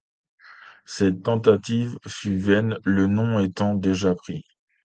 Cette tentative fut vaine, le nom étant déjà pris.